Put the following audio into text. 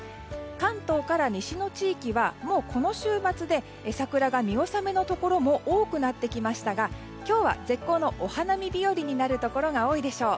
関東から西の地域はもうこの週末で桜が見納めのところも多くなってきましたが今日は絶好のお花見日和になるところが多いでしょう。